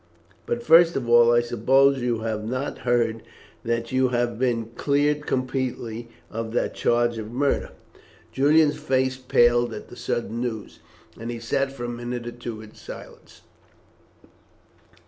But first of all, I suppose you have not heard that you have been cleared completely of that charge of murder." Julian's face paled at the sudden news, and he sat for a minute or two in silence.